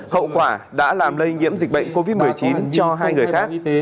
hậu quả đã làm lây nhiễm dịch bệnh covid một mươi chín cho hai người khác